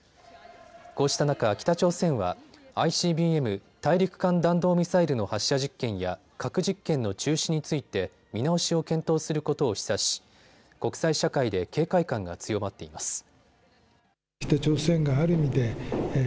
こうした中、北朝鮮はＩＣＢＭ・大陸間弾道ミサイルの発射実験や核実験の中止について見直しを検討することを示唆し国際社会で警戒感が強まっています。